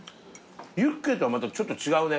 ユッケとはまたちょっと違うね。